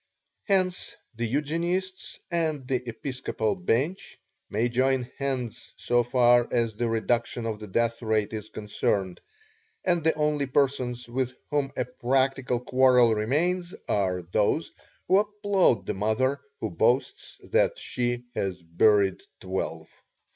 Hence the Eugenists and the Episcopal Bench may join hands so far as the reduction of the death rate is concerned, and the only persons with whom a practical quarrel remains are those who applaud the mother who boasts that she has buried twelve."